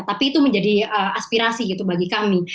tapi itu menjadi aspirasi gitu bagi kami